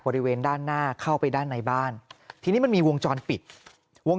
บริเวณด้านหน้าเข้าไปด้านในบ้านทีนี้มันมีวงจรปิดวง